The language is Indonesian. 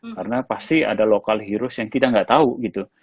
karena pasti ada local heroes yang kita nggak tahu gitu